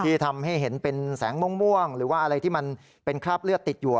ที่ทำให้เห็นเป็นแสงม่วงหรือว่าอะไรที่มันเป็นคราบเลือดติดอยู่